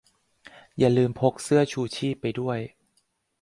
อย่าลืมพกเสื้อชูชีพไปด้วย